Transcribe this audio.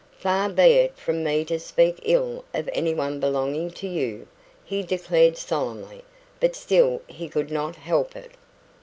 "Far be it from me to speak ill of anyone belonging to you," he declared solemnly; but still he could not help it.